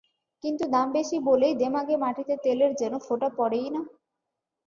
কিন্তু দাম বেশি বলেই দেমাগে মাটিতে তেলের যেন ফোঁটা পড়েই না।